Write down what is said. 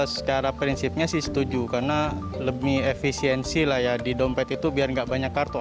secara prinsipnya sih setuju karena lebih efisiensi lah ya di dompet itu biar nggak banyak kartu